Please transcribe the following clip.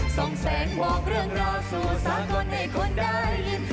ส่งแสงบอกเรื่องราวสู่สากลให้คนได้ยิน